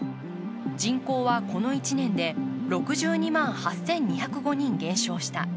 人口は、この１年で６２万８２０５人減少した。